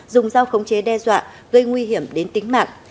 đe dọa gây nguy hiểm đến tính mạng